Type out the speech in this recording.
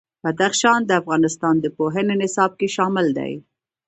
بدخشان د افغانستان د پوهنې نصاب کې شامل دي.